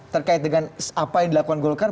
terkait dengan apa yang dilakukan golkar